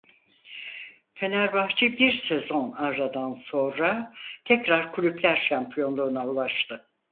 Fenerbahçe bir sezon aradan sonra tekrar Kulüpler şampiyonluğuna ulaştı.